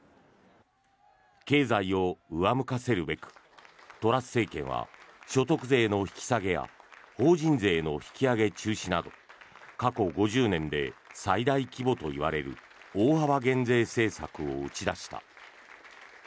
経済を上向かせるべくトラス政権は所得税の引き下げや法人税の引き上げ中止など過去５０年で最大規模といわれる大幅減税政策を打ち出した。